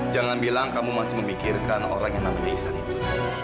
jangan bilang kamu masih memikirkan orang yang namanya ihsan itu